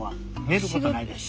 寝ることないです。